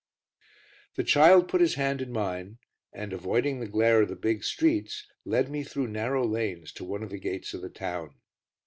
The child put his hand in mine and avoiding the glare of the big streets, led me through narrow lanes to one of the gates of the town.